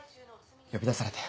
呼び出されて。